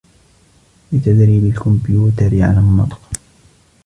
لتدريب الكمبيوتر على النطق.